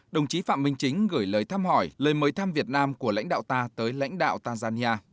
đồng chí phạm minh chính gửi lời thăm hỏi lời mời thăm việt nam của lãnh đạo ta tới lãnh đạo tanzania